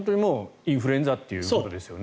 インフルエンザということですよね。